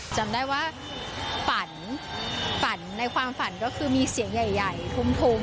จำได้ว่าฝันฝันในความฝันก็คือมีเสียงใหญ่ทุ่ม